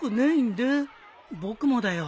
僕もだよ。